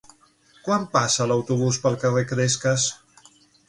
Quan passa l'autobús pel carrer Cresques?